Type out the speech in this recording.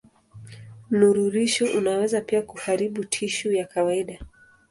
Mnururisho unaweza pia kuharibu tishu ya kawaida.